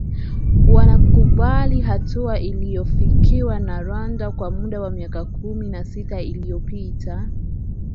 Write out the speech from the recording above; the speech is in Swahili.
wanakumbali hatua iliyofikiwa na rwanda kwa muda wa miaka kumi na sita iliopita